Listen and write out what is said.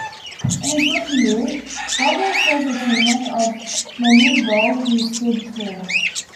In his rookie year, Bogues was a teammate of Manute Bol who stood tall.